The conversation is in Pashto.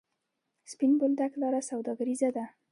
سپین بولدک لاره سوداګریزه ده؟